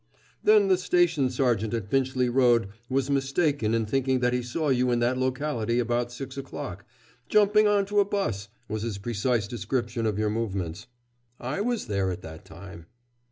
"Then the station sergeant at Finchley Road was mistaken in thinking that he saw you in that locality about six o'clock 'jumping on to a 'bus' was his precise description of your movements." "I was there at that time."